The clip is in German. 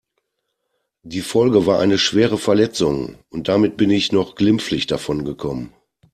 Die Folge war eine schwere Verletzung und damit bin ich noch glimpflich davon gekommen.